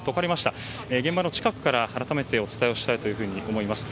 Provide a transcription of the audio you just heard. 現場の近くから改めてお伝えしたいと思います。